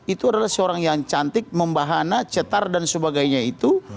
itu adalah seorang yang cantik membahana cetar dan sebagainya itu